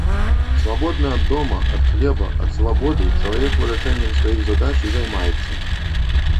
Свабодны ад дома, ад хлеба, ад свабоды чалавек вырашэннем сваіх задач і займаецца.